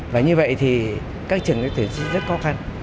và như vậy thì các trường tuyển sinh rất khó khăn